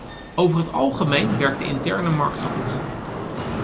Over het algemeen werkt de interne markt goed.